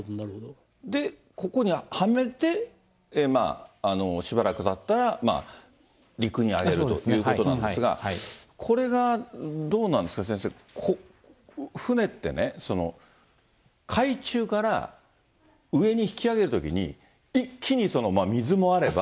で、ここにはめて、しばらくたったら陸に揚げるということなんですが、これがどうなんですか、先生、船ってね、海中から上に引き揚げるときに、一気に水もあれば、